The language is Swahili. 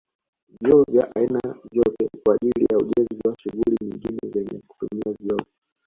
Vioo vya aina vyote kwa ajili ya ujenzi na shughuli nyingine zenye kutumia vioo